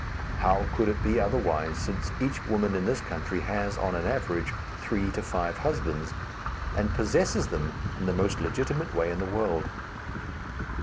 How could it be otherwise, since each woman in this country has, on an average, three to five husbands, and possesses them in the most legitimate way in the world.